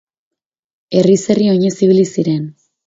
Herriz herri oinez ibili ziren.